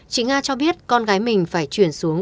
chị nga cho biết con gái mình phải chuyển xuống